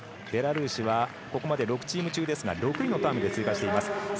ベラルーシはここまで６チーム中６位のタイムで通過しています。